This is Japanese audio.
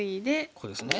ここですね。